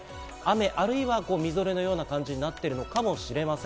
雨または、みぞれのような感じになっているかもしれません。